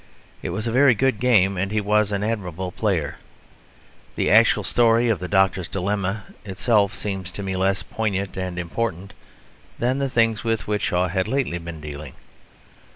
It was a very good game, and he was an admirable player. The actual story of the Doctor's Dilemma itself seems to me less poignant and important than the things with which Shaw had lately been dealing.